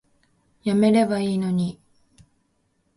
やめればいいのに